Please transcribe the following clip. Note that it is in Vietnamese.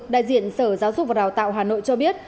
đại diện sở giáo dục và đào tạo hà nội cho biết